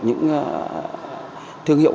những thương hiệu